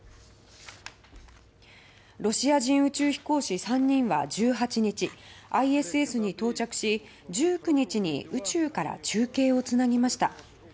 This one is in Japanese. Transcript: ロシア人宇宙飛行士３人は１８日、ＩＳＳに到着し１９日に宇宙から中継をつなぎました。